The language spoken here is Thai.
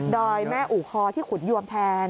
อยแม่อู่คอที่ขุนยวมแทน